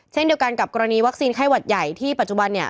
เช่นเดียวกันกับกรณีวัคซีนไข้หวัดใหญ่ที่ปัจจุบันเนี่ย